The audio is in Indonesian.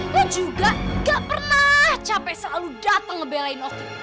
lo juga gak pernah capek selalu dateng ngebelain oki